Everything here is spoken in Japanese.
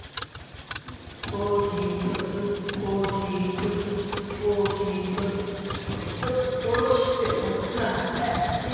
おひとつおひとつおひとつおひとつおろしておさらいねっ？